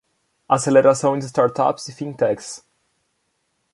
Aceleração de startups e fintechs